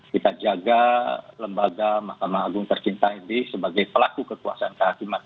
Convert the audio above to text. kita jaga lembaga mahkamah agung tercinta ini sebagai pelaku kekuasaan kehakiman